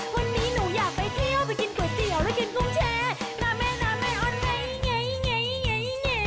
วันนี้หนูอยากไปเที่ยวไปกินก๋วยเตี๋ยวแล้วกินกุ้งแชร์แม่น้ำแม่ออนไง